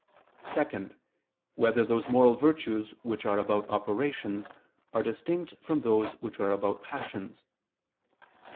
(2) Whether those moral virtues which are about operations, are distinct from those which are about passions?